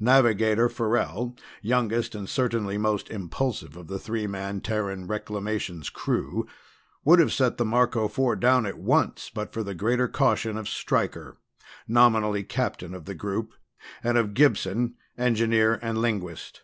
Navigator Farrell, youngest and certainly most impulsive of the three man Terran Reclamations crew, would have set the Marco Four down at once but for the greater caution of Stryker, nominally captain of the group, and of Gibson, engineer, and linguist.